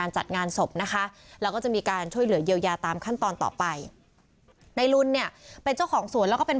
จะมีการช่วยเหลือเยียวยาตามขั้นตอนต่อไปในรุ่นเนี่ยเป็นเจ้าของสวนแล้วก็เป็น